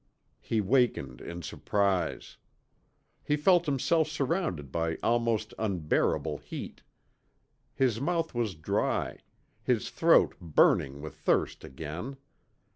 He wakened in surprise. He felt himself surrounded by almost unbearable heat. His mouth was dry, his throat burning with thirst again.